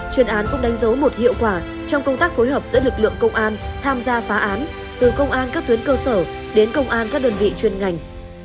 chuyên án cũng đánh dấu một hiệu quả trong công tác phối hợp giữa lực lượng công an tham gia phá án từ công an các tuyến cơ sở đến công an các đơn vị chuyên ngành